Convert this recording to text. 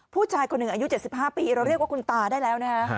ผู้ชายคนหนึ่งอายุ๗๕ปีเราเรียกว่าคุณตาได้แล้วนะฮะ